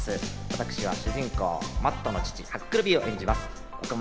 私は主人公マットの父・ハックルビーを演じます。